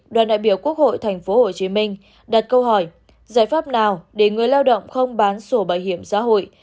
đoàn đại biểu quốc hội tp hcm đặt câu hỏi giải pháp nào để người lao động không bán sổ bảo hiểm xã hội